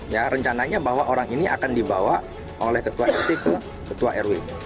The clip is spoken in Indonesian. ya rencananya bahwa orang ini akan dibawa oleh ketua rt ke ketua rw